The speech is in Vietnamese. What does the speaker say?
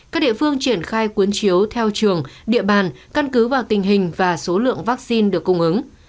các địa phương triển khai cuốn chiếu theo trường địa bàn căn cứ vào tình hình và số lượng vaccine được cung ứng